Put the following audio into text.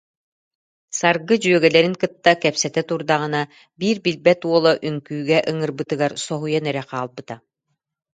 Саргы дьүөгэлэрин кытта кэпсэтэ турдаҕына, биир билбэт уола үҥкүүгэ ыҥырбытыгар соһуйан эрэ хаалбыта